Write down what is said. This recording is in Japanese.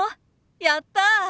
やった。